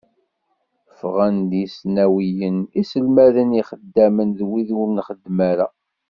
Ffɣen-d yisnawiyen, iselmaden, ixeddamen d wid ur nxeddem ara.